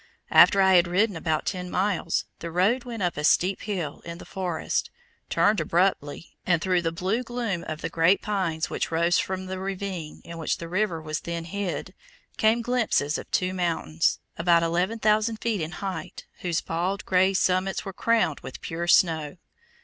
After I had ridden about ten miles the road went up a steep hill in the forest, turned abruptly, and through the blue gloom of the great pines which rose from the ravine in which the river was then hid, came glimpses of two mountains, about 11,000 feet in height, whose bald grey summits were crowned with pure snow.